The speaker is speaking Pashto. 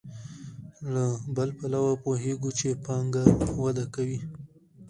له بل پلوه پوهېږو چې پانګه وده کوي